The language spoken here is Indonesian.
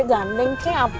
gini gandeng ceh apa tuh